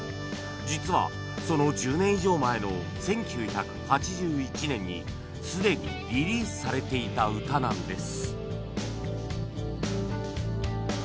実はその１０年以上前の１９８１年にすでにリリースされていた歌なんです